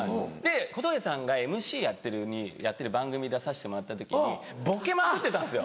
小峠さんがＭＣやってる番組出さしてもらった時にボケまくってたんですよ。